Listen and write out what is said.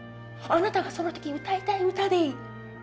あなたがその時歌いたい歌でいい。